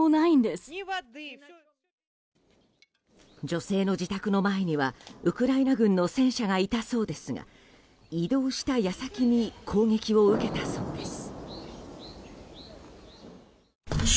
女性の自宅の前にはウクライナ軍の戦車がいたそうですが移動した矢先に攻撃を受けたそうです。